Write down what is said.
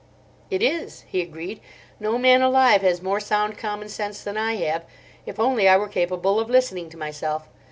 "It is," he agreed. "No man alive has more sound commonsense than I have, if only I were capable of listening to myself.